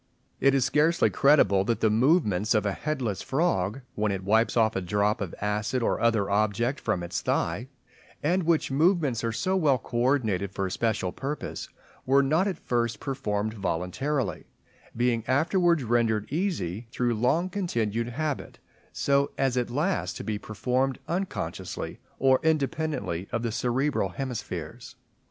It is scarcely credible that the movements of a headless frog, when it wipes off a drop of acid or other object from its thigh, and which movements are so well coordinated for a special purpose, were not at first performed voluntarily, being afterwards rendered easy through long continued habit so as at last to be performed unconsciously, or independently of the cerebral hemispheres.